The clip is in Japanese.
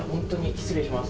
失礼します。